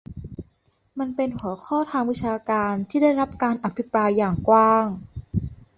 มันเป็นหัวข้อทางวิชาการที่ได้รับการอภิปรายอย่างกว้างขวาง